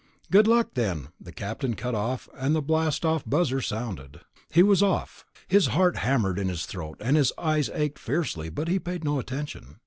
"Good luck, then." The captain cut off, and the blastoff buzzer sounded. He was off. His heart hammered in his throat, and his eyes ached fiercely, but he paid no attention.